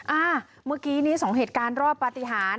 อ่าเมื่อกี้นี้สองเหตุการณ์รอดปฏิหาร